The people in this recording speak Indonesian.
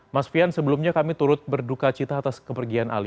mas fian sebelumnya kami turut berduka cita atas kepergian ali